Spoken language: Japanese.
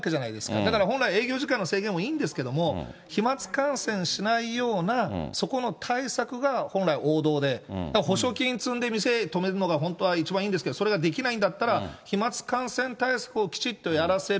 だから、本来営業時間の制限もいいんですけど、飛まつ感染しないようなそこの対策が本来、王道で、補償金積んで、店止めるのが本当は一番いいんですけど、それができないんだったら、飛まつ感染対策をきちっとやらせる。